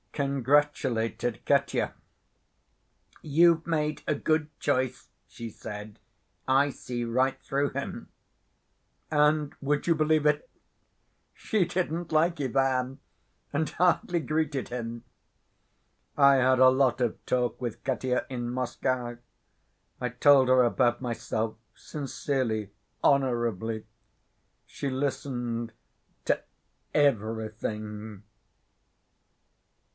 —congratulated Katya. 'You've made a good choice,' she said, 'I see right through him.' And—would you believe it?—she didn't like Ivan, and hardly greeted him. I had a lot of talk with Katya in Moscow. I told her about myself—sincerely, honorably. She listened to everything.